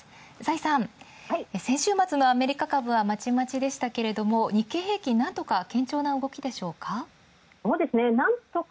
崔さん、先週末のアメリカ株はまちまちでしたが、日経平均なんとか堅調な動きでしょうか？